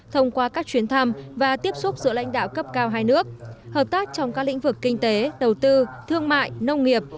thông qua các chuyến thăm và tiếp xúc giữa lãnh đạo cấp cao hai nước hợp tác trong các lĩnh vực kinh tế đầu tư thương mại nông nghiệp